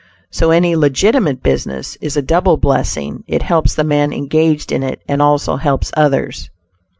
So any "legitimate" business is a double blessing it helps the man engaged in it, and also helps others.